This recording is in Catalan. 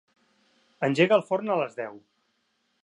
Engega el forn a les deu.